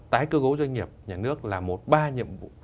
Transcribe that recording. tái cơ cấu doanh nghiệp nhà nước là một ba nhiệm vụ